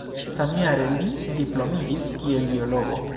Samjare li diplomiĝis kiel biologo.